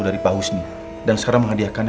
dari pak husni dan sekarang menghadiahkannya